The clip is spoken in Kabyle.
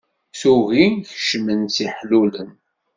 Tuggi kecmen-tt iḥlulen.